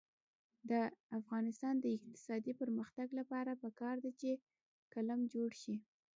د افغانستان د اقتصادي پرمختګ لپاره پکار ده چې قلم جوړ شي.